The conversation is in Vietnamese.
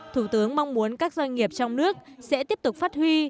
thủ tướng mong muốn các doanh nghiệp trong nước sẽ tiếp tục phát huy